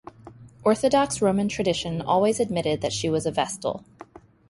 Orthodox Roman tradition always admitted that she was a Vestal.